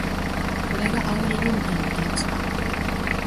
これがあおり運転ってやつか